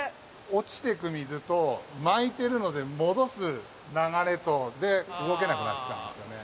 落ちていく水と巻いてるので戻す流れとで動けなくなっちゃうんですよね。